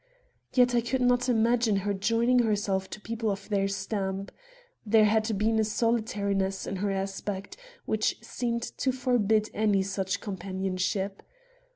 Yet I could not imagine her joining herself to people of their stamp. There had been a solitariness in her aspect which seemed to forbid any such companionship.